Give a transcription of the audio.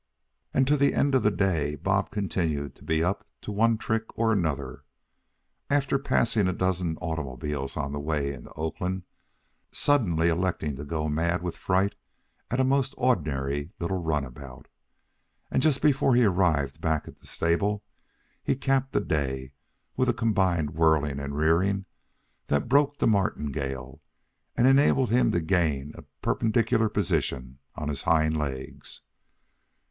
And to the end of the day, Bob continued to be up to one trick or another; after passing a dozen automobiles on the way into Oakland, suddenly electing to go mad with fright at a most ordinary little runabout. And just before he arrived back at the stable he capped the day with a combined whirling and rearing that broke the martingale and enabled him to gain a perpendicular position on his hind legs.